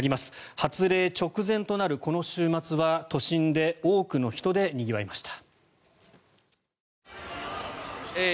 発令直前となるこの週末は都心で多くの人でにぎわいました。